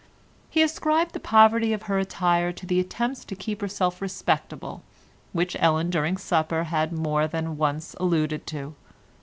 He ascribed the poverty of her attire to the attempts to keep herself respectable, which Ellen during supper had more than once alluded to.